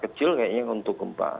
kecil kayaknya untuk gempa